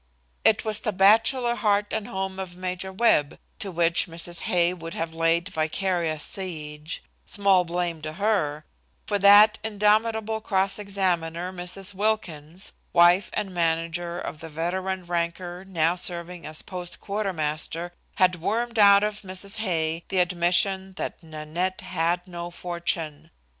It was the bachelor heart and home of Major Webb to which Mrs. Hay would have laid vicarious siege, small blame to her, for that indomitable cross examiner, Mrs. Wilkins, wife and manager of the veteran ranker now serving as post quartermaster, had wormed out of Mrs. Hay the admission that Nanette had no fortune.